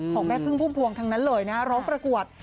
แม่พึ่งพุ่มพวงทั้งนั้นเลยนะร้องประกวด